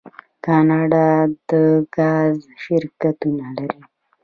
کاناډا د ګاز شرکتونه لري.